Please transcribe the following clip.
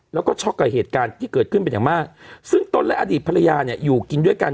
แล้วก็ช็อกกับเหตุการณ์ที่เกิดขึ้นเป็นอย่างมากซึ่งตนและอดีตภรรยาเนี่ยอยู่กินด้วยกัน